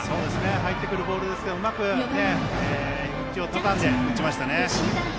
入ってくるボールでしたがうまく、ひじをたたんで打ちましたね。